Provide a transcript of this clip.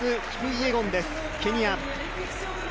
フェイス・キプイエゴンです、ケニア。